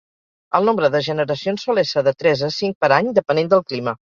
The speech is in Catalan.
El nombre de generacions sol ésser de tres a cinc per any, depenent del clima.